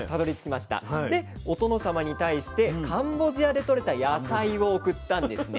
でお殿様に対してカンボジアでとれた野菜を贈ったんですね。